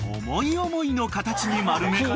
［思い思いの形に丸め］